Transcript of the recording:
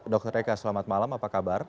dr eka selamat malam apa kabar